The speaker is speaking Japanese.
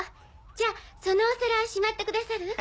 じゃそのお皿しまってくださる？